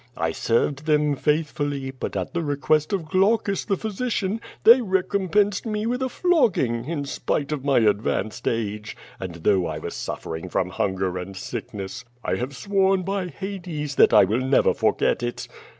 I served them faithfully, but at the request of Glaucus, the physician, they recompensed me with a flogging, in spite of my advanced age, and though I was suffering from hunger and sickness. I have sworn by Hades, that I will never for get it.